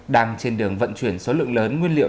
đang trên đường vận chuyển số lượng lớn nguyên liệu